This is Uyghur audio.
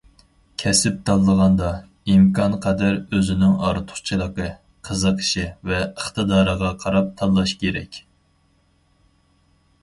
كەسىپ تاللىغاندا، ئىمكانقەدەر ئۆزىنىڭ ئارتۇقچىلىقى، قىزىقىشى ۋە ئىقتىدارىغا قاراپ تاللاش كېرەك.